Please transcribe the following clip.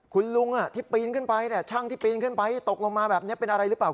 คุณลุงที่ปีนขึ้นไปช่างที่ปีนขึ้นไปตกลงมาแบบนี้เป็นอะไรหรือเปล่า